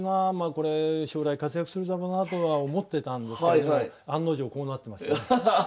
これ将来活躍するだろうなとは思ってたんですけど案の定こうなってますね。